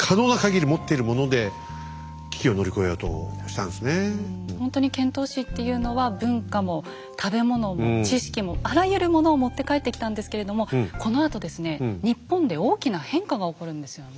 ただほんとに遣唐使っていうのは文化も食べ物も知識もあらゆるものを持って帰ってきたんですけれどもこのあとですね日本で大きな変化が起こるんですよね。